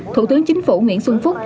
thủ tướng chính phủ nguyễn xuân phúc